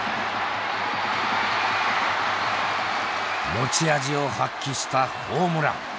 持ち味を発揮したホームラン。